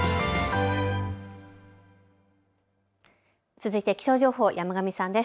続いて気象情報、山神さんです。